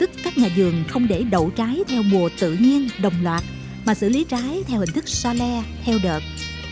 tức các nhà dường không để đậu trái theo mùa tự nhiên đồng loạt mà xử lý trái theo hình thức xa le theo đợt